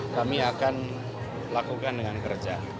kami akan lakukan dengan kerja